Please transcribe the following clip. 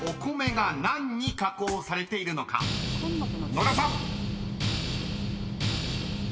［野田さん］